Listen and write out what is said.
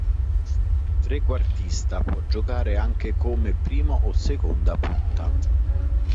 Trequartista, può giocare anche come prima o seconda punta.